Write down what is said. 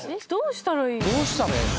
どうしたらいいの？